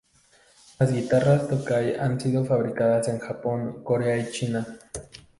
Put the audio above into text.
Las guitarras Tokai han sido fabricadas en Japón, Corea y China.